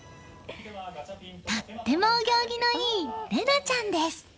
とってもお行儀のいい伶奈ちゃんです。